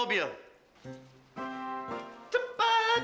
tempat ya ya ya sudah tuan